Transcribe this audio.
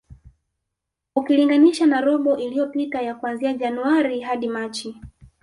Ukilinganisha na robo iliyopita ya kuanzia Januari hadi Machi